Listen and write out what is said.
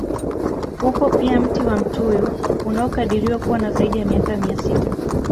Upo pia mti wa mtuyu unaokadiriwa kuwa na zaidi ya miaka mia sita